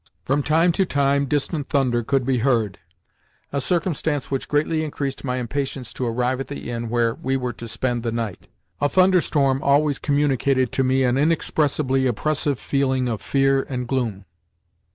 From time to time distant thunder could be heard—a circumstance which greatly increased my impatience to arrive at the inn where we were to spend the night. A thunderstorm always communicated to me an inexpressibly oppressive feeling of fear and gloom.